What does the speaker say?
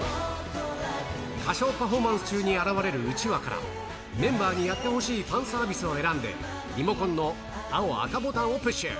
歌唱パフォーマンス中に現れるうちわから、メンバーにやってほしいファンサービスを選んで、リモコンの青・赤ボタンをプッシュ。